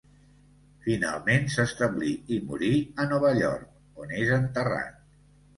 Finalment, s'establí i morí a Nova York, on és enterrat.